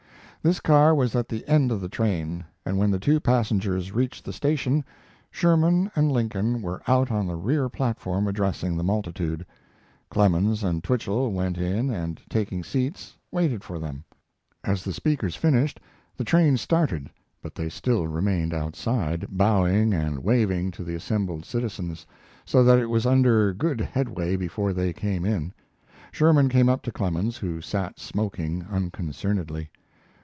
This car was at the end of the train, and when the two passengers reached the station, Sherman and Lincoln were out on the rear platform addressing the multitude. Clemens and Twichell went in and, taking seats, waited for them. As the speakers finished the train started, but they still remained outside, bowing and waving to the assembled citizens, so that it was under good headway before they came in. Sherman came up to Clemens, who sat smoking unconcernedly.